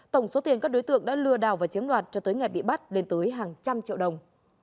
tổng số tiền các đối tượng đã lừa đào và chiếm đoạt cho tới ngày bị bắt lên tới hàng trăm triệu đồng